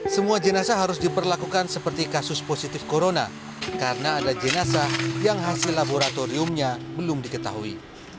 semua jenazah harus diperlakukan seperti kasus positif corona karena ada jenazah yang hasil laboratoriumnya belum diketahui